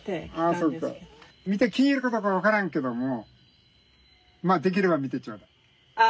見て気に入るかどうか分からんけどもまあできれば見てちょうだい。